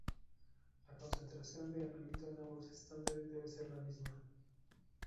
La concentración de analito en ambos estándares debe ser la misma.